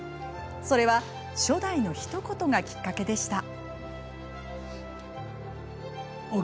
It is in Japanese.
それは初代のひと言がきっかけでした。